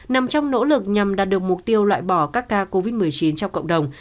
nằm trong nỗ lực nhằm đạt được mục tiêu loại bỏ các ca covid một mươi chín trong cộng đồng